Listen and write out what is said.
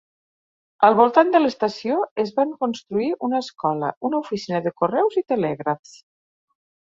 Al voltant de l'estació, es van construir una escola, una oficina de correus i telègrafs.